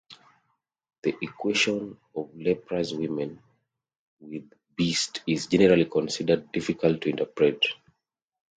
The equation of leprous women with beasts is generally considered difficult to interpret.